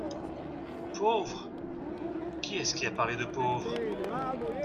Pauvre !… qui est-ce qui a parlé de pauvre ?